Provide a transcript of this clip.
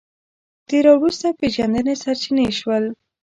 د راوروسته پېژندنې سرچینې شول